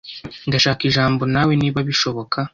Ndashaka ijambo nawe niba bishoboka.